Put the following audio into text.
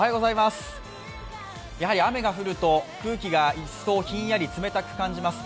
やはり雨が降ると、空気が一層ひんやり、冷たく感じます。